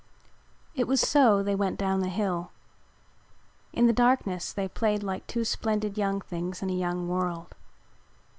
It was so they went down the hill. In the darkness they played like two splendid young things in a young world.